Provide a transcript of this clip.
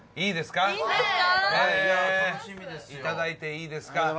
いただいていいですか？